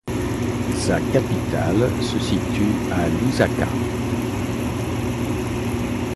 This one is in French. Sa capitale se situe à Lusaka.